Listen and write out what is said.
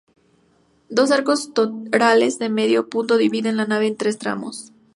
Dos arcos torales de medio punto dividen la nave en tres tramos.